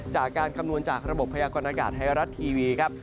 คำนวณจากระบบพยากรณากาศไทยรัฐทีวีครับ